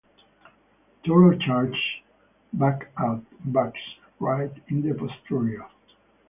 Toro charges back at Bugs, right in the posterior.